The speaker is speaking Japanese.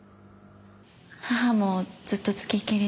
母もずっとつきっきりで。